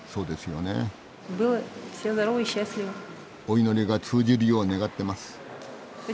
お祈りが通じるよう願ってます。